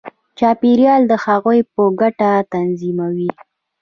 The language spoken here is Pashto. چاپېریال د هغوی په ګټه تنظیموي.